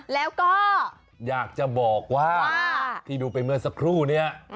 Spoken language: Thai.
แล้วก็อยากจะบอกว่าที่ดูไปเมื่อสักครู่เนี่ย